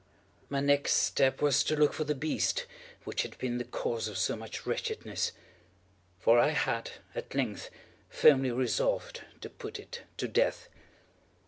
My next step was to look for the beast which had been the cause of so much wretchedness; for I had, at length, firmly resolved to put it to death.